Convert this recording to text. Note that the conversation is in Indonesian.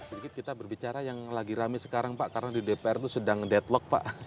sedikit kita berbicara yang lagi rame sekarang pak karena di dpr itu sedang deadlock pak